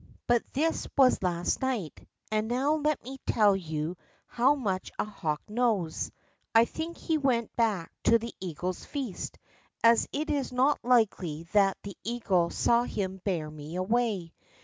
But this was last night, and now let me tell you how much a hawk knows. I think he went back to the eagle's feast, as it is not likely that the eagle saAV him bear me away.